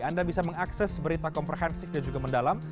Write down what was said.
anda bisa mengakses berita komprehensif dan juga mendalam